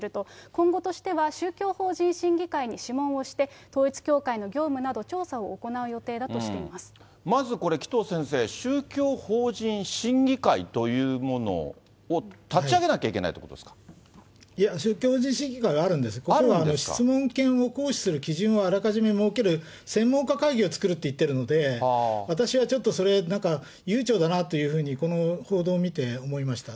今後としては宗教法人審議会に諮問をして、統一教会の業務など、まずこれ、紀藤先生、宗教法人審議会というものを立ち上げなきゃいけないっていうこといや、宗教法人審議会はあるんです、質問権を行使する基準をあらかじめ設ける、専門家会議を作るって言ってるので、私はちょっとそれ、なんか悠長だなというふうに、この報道見て思いました。